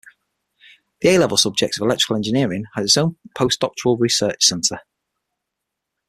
The A level subject of Electrical Engineering has its own post doctoral research center.